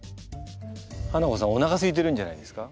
ハナコさんおなかすいてるんじゃないですか？